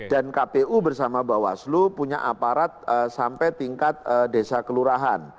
dan kpu bersama bawaslu punya aparat sampai tingkat desa kelurahan